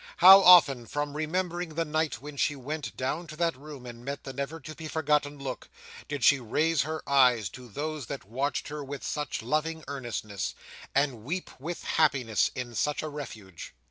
How often, from remembering the night when she went down to that room and met the never to be forgotten look, did she raise her eyes to those that watched her with such loving earnestness, and weep with happiness in such a refuge!